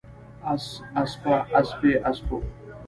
اس، اسپه، اسپې، اسپو